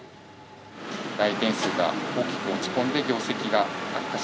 来店数が大きく落ち込んで、業績が悪化し、